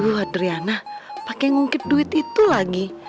tuh adriana pake ngungkit duit itu lagi